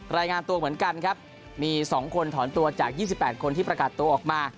รายงานตัวเหมือนกันครับมี๒คนถอนตัวจาก๒๘คนที่ประกาศตัวออกมา